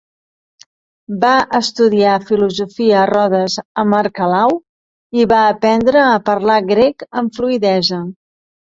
Va estudiar filosofia a Rhodes amb Arquelau i va aprendre a parlar grec amb fluïdesa.